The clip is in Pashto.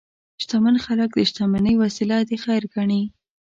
شتمن خلک د شتمنۍ وسیله د خیر ګڼي.